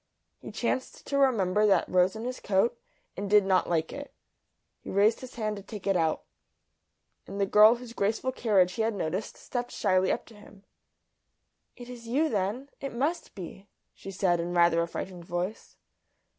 He chanced to remember that rose in his coat, and did not like it. He raised his hand to take it out. And the girl whose graceful carriage he had noticed stepped shyly up to him. "It is you then? It must be," she said, in rather a frightened voice.